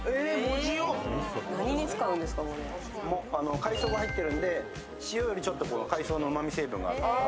海藻が入ってるんで、塩よりちょっと海藻の風味がついている。